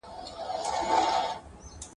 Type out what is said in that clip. هامان وویل زما سر ته دي امان وي !.